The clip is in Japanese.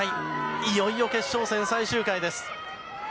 いよいよ決勝戦最終回です。